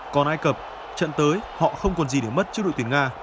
còn ai cập trận tới họ không còn gì để mất trước đội tuyển nga